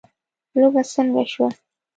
لوبه څنګه شوه .